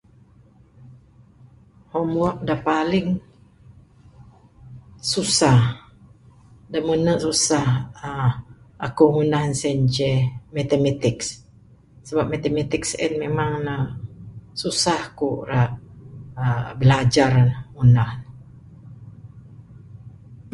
Homework da paling susah da mene susah uhh aku ngunah ne sien ceh mathematics sebab mathematics sien memang ne susah ku ra ra bilajar ngunah ne.